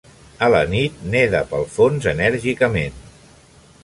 A la nit neda pel fons enèrgicament.